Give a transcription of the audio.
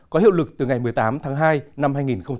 có hiệu lực từ ngày một mươi tám tháng hai năm hai nghìn một mươi chín